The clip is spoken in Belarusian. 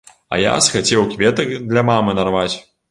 А я схацеў кветак для мамы нарваць.